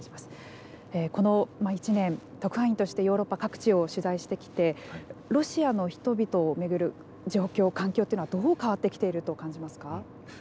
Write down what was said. この１年、特派員としてヨーロッパ各地を取材してきてロシアの人々を巡る状況、環境というのはどう変わってきていると感じましたか。